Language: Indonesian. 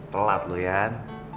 telat lu yan